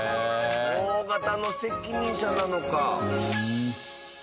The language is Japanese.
大型の責任者なのか。